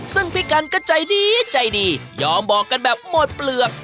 ซึ่งพี่กันก็ใจดีใจดียอมบอกกันแบบหมดเปลือก